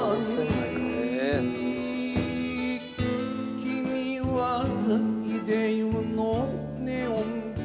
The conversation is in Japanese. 「君はいでゆのネオン花」